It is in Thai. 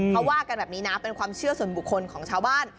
เขาว่ากันแบบนี้นะเป็นความเชื่อส่วนบุคคลของชาวบ้าน